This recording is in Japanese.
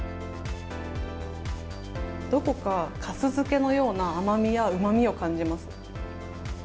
どこか、かす漬けのような甘みやうまみを感じます。